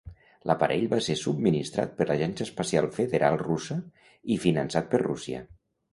L'aparell va ser subministrat per l'Agència Espacial Federal Russa i finançat per Rússia.